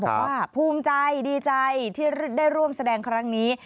ภูมิใจดีใจที่ได้ร่วมแสดงครั้งนี้